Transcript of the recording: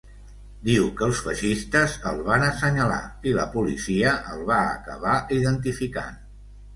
Diu que els feixistes el van assenyalar i la policia el va acabar identificant.